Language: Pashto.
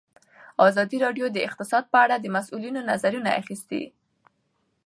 ازادي راډیو د اقتصاد په اړه د مسؤلینو نظرونه اخیستي.